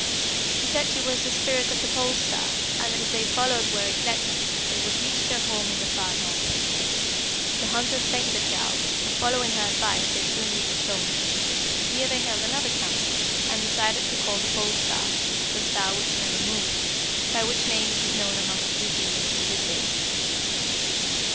"She said she was the Spirit of the Pole Star, and that if they followed where it led them they would reach their home in the far North. The hunters thanked the child, and following her advice they soon reached home. Here they held another council, and decided to call the Pole Star, 'the star which never moves,' by which name it is known among these Indians to this day.